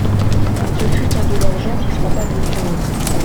Ce fut un de leurs gens qui frappa Louis quinze.